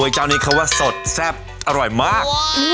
เจ้านี้เขาว่าสดแซ่บอร่อยมาก